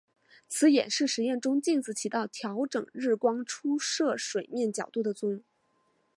此演示实验中镜子起到调整日光出射水面角度的作用。